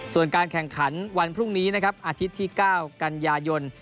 ส่วนการแข่งขันวันพรุ่งนี้นะครับอาทิตย์ที่๙กันยายน